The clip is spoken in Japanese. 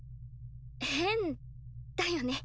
変だよね。